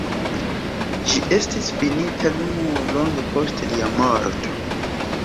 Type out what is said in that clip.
Ĝi estis finita nur longe post lia morto.